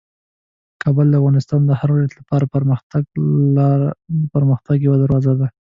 کابل د افغانستان د هر ولایت لپاره د پرمختګ یوه دروازه ده.